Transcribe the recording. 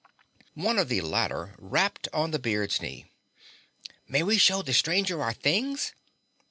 One of the latter rapped on the beard's knee. "May we show the stranger our things?"